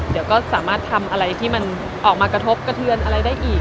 มันจะสามารถทำอะไรที่ออกมากระทบสากังได้อีก